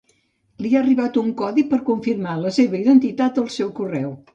Li ha arribat un codi per confirmar la seva identitat al seu correu.